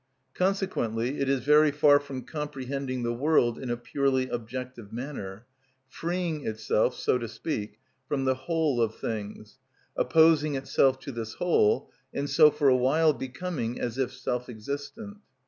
Consequently it is very far from comprehending the world in a purely objective manner, freeing itself, so to speak, from the whole of things, opposing itself to this whole, and so for a while becoming as if self existent.